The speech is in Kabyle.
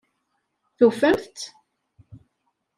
Tufamt-tt?